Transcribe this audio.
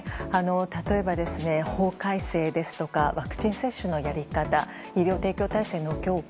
例えば、法改正ですとかワクチン接種のやり方医療提供体制の強化